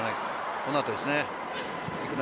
この後ですね。